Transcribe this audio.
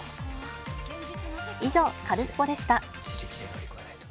以上、カルスポっ！でした。